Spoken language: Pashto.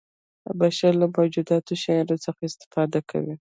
بشر له موجودو شیانو څخه استفاده کوي.